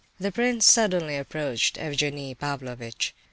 The prince suddenly approached Evgenie Pavlovitch.